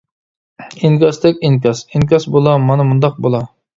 ئىنكاستەك ئىنكاس، ئىنكاس بولا، مانا مۇنداق بولا.